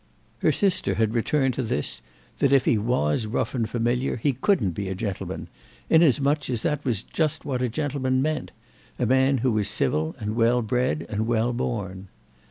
Her sister had returned to this that if he was rough and familiar he couldn't be a gentleman, inasmuch as that was just what a gentleman meant—a man who was civil and well bred and well born.